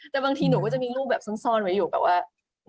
แต่บางทีหนูก็จะมีรูปแบบซ่อนไว้อยู่แบบว่า